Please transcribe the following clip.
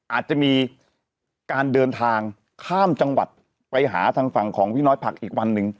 อาจจะมีการเดินทางข้ามจังหวัดไปหาทางฝั่งของพี่น้อยผักอีกวันหนึ่ง